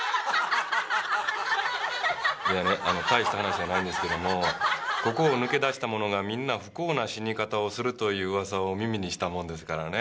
いやねあのたいした話やないんですけどもここを抜け出した者がみんな不幸な死に方をするという噂を耳にしたもんですからね。